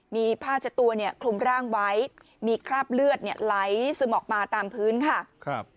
มีผ้าเช็ดตัวเนี่ยคลุมร่างไว้มีคราบเลือดเนี่ยไหลซึมออกมาตามพื้นค่ะครับ